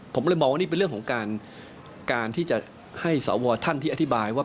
ผมเลยมองว่านี่เป็นเรื่องของการที่จะให้สวท่านที่อธิบายว่า